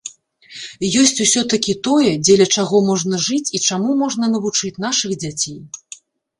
Ёсць усё-такі тое, дзеля чаго можна жыць і чаму можна навучыць нашых дзяцей.